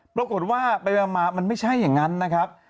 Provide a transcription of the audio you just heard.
ปรากฏว่าไปมามันไม่ใช่อย่างนั้นนะครับ